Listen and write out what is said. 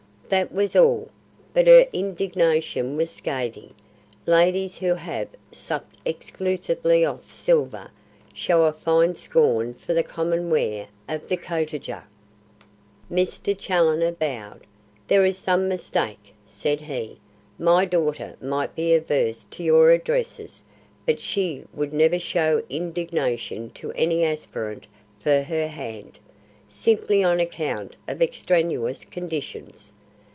That was all; but her indignation was scathing. Ladies who have supped exclusively off silver, show a fine scorn for the common ware of the cottager." Mr. Challoner bowed. "There is some mistake," said he. "My daughter might be averse to your addresses, but she would never show indignation to any aspirant for her hand, simply on account of extraneous conditions.